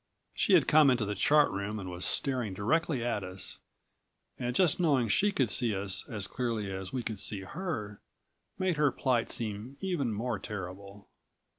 She had come into the chart room and was staring directly at us, and just knowing she could see us as clearly as we could see her made her plight seem even more terrible.